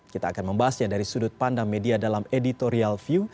kita akan membahasnya dari sudut pandang media dalam editorial view